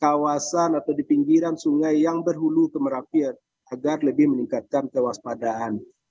kawasan atau di pinggiran sungai yang berhulu ke merapi agar lebih meningkatkan kewaspadaan